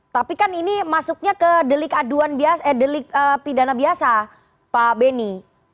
tapi kan ini masuknya ke delik aduan biasa delik pidana biasa pak beni